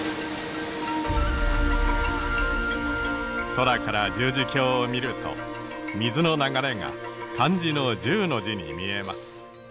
空から十字峡を見ると水の流れが漢字の十の字に見えます。